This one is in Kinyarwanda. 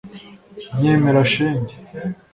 nyemera shenge